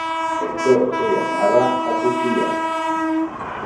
El toro se llamaba Acuchillado.